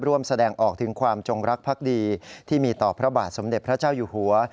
แสดงออกถึงความจงรักภักดีที่มีต่อพระบาทสมเด็จพระเจ้าอยู่หัว